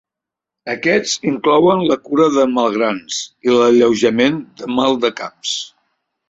Aquests inclouen la cura de malgrans i l'alleujament de mal de caps.